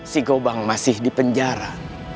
si gobang masih di penjara